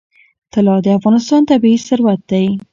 طلا د افغانستان طبعي ثروت دی.